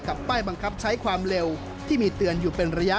ป้ายบังคับใช้ความเร็วที่มีเตือนอยู่เป็นระยะ